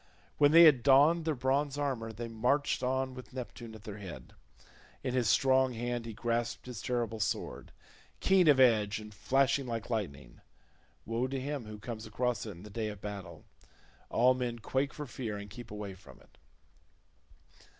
When they had donned their bronze armour they marched on with Neptune at their head. In his strong hand he grasped his terrible sword, keen of edge and flashing like lightning; woe to him who comes across it in the day of battle; all men quake for fear and keep away from it.